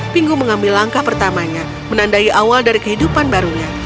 pingu mengambil langkah pertamanya menandai awal dari kehidupan barunya